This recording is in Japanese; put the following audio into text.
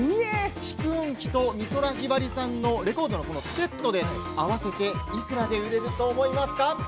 蓄音機と美空ひばりさんのレコードのセットで合わせて、いくらで売れると思いますか？